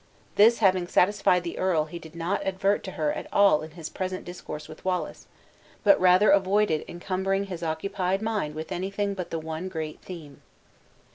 This having satisfied the earl he did not advert to her at all in his present discourse with Wallace, but rather avoided encumbering his occupied mind with anything but the one great theme.